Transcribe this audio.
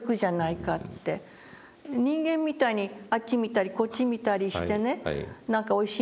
「人間みたいにあっち見たりこっち見たりしてね何かおいしいものがないかとかね